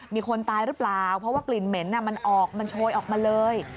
มีคนตายหรือเปล่าเพราะว่ากลิ่นเหม็นมันออกมันโชยออกมาเลย